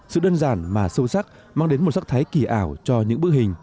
sự đơn giản mà sâu sắc mang đến một sắc thái kỳ ảo cho những bức hình